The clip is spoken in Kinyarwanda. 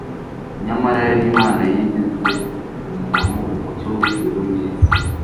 Nyamara yari Imana yigize umuntu, umucyo w'ijuru n'isi.